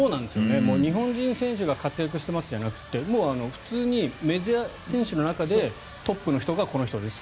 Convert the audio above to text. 日本人選手が活躍してますじゃなくてもう普通にメジャー選手の中でトップの人がこの人ですと。